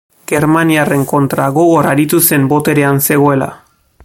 Germaniarren kontra gogor aritu zen boterean zegoela.